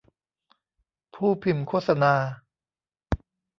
ผู้พิมพ์โฆษณา